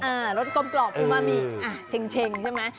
รสชาติกลมกล่อมผู้มามีเช็งใช่ไหม